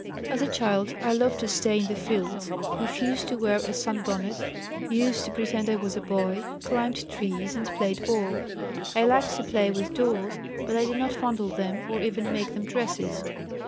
"As a child I loved to stay in the fields, refused to wear a sunbonnet, used to pretend I was a boy, climbed trees, and played ball. I liked to play with dolls, but I did not fondle them, or even make them dresses.